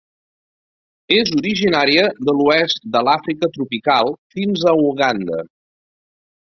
És originària de l'oest de l'Àfrica tropical fins a Uganda.